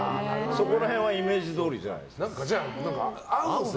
そこら辺はイメージどおりじゃないですか。